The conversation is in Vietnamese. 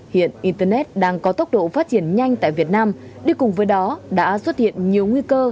hiện internet đang có tốc độ phát triển nhanh tại việt nam đi cùng với đó đã xuất hiện nhiều nguy cơ